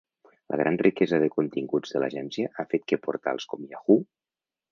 La gran riquesa de continguts de l'agència ha fet que portals com Yahoo!